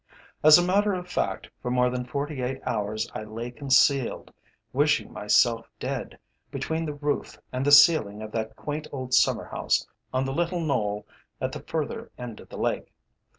"As a matter of fact, for more than forty eight hours I lay concealed, wishing myself dead, between the roof and the ceiling of that quaint old summer house on the little knoll at the further end of the lake.